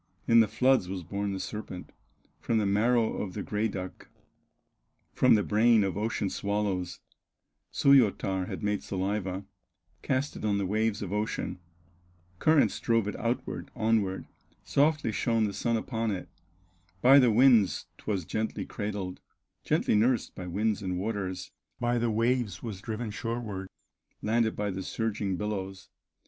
"In the floods was born the serpent, From the marrow of the gray duck, From the brain of ocean swallows; Suoyatar had made saliva, Cast it on the waves of ocean, Currents drove it outward, onward, Softly shone the sun upon it, By the winds 'twas gently cradled, Gently nursed by winds and waters, By the waves was driven shoreward, Landed by the surging billows.